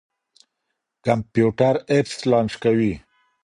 کمپيوټر اپس لانچ کوي.